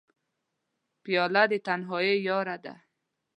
پیاله د تنهایۍ یاره ده.